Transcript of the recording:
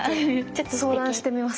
ちょっと相談してみます。